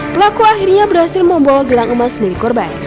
pelaku akhirnya berhasil membawa gelang emas milik korban